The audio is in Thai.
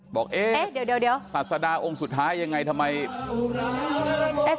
บอกเอ๊ะศาสดาองค์สุดท้ายอย่างไรทำไมเอ๊ะเดี๋ยว